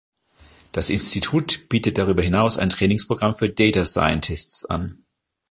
Das Institut bietet darüber hinaus ein Trainingsprogramm für Data Scientists an.